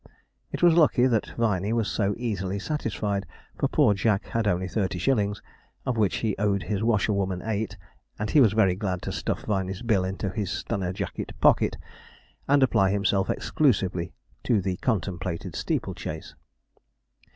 It was lucky that Viney was so easily satisfied, for poor Jack had only thirty shillings, of which he owed his washerwoman eight, and he was very glad to stuff Viney's bill into his stunner jacket pocket, and apply himself exclusively to the contemplated steeple chase.